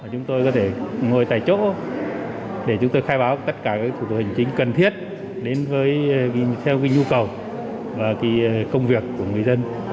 chúng tôi có thể ngồi tại chỗ để chúng tôi khai báo tất cả các thủ tục hành chính cần thiết đến theo nhu cầu và công việc của người dân